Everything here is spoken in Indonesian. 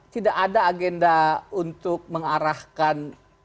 tidak ada agenda untuk mengarahkan